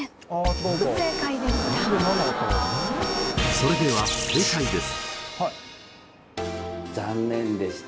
それでは正解です。